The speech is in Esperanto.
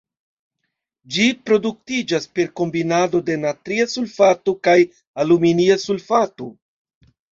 Ĝi produktiĝas per kombinado de natria sulfato kaj aluminia sulfato.